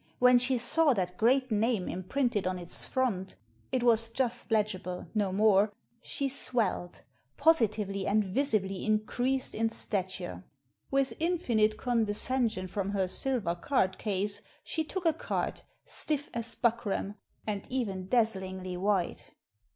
When she saw that great name im printed on its front — it was just legible, no more — she swelled, positively and visibly increased in stature. With infinite condescension from her silver card case she took a card, stiff as buckram, and even dazzlingly white.